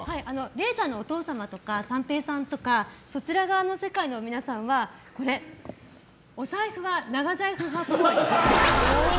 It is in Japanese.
れいちゃんのお父様とか三平さんとかそちら側の世界の皆さんはお財布は長財布派っぽい。